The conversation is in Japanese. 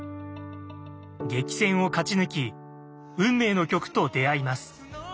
激戦を勝ち抜き運命の曲と出会います。